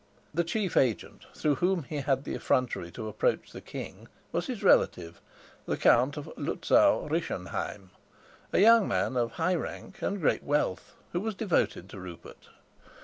The chief agent through whom he had the effrontery to approach the king was his relative, the Count of Luzau Rischenheim, a young man of high rank and great wealth who was devoted to Rupert.